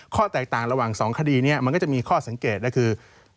แตกต่างระหว่าง๒คดีนี้มันก็จะมีข้อสังเกตก็คือ